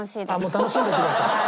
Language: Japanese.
楽しんでください。